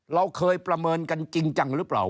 เราเคยประเมินกันจริงจังหรือเปล่า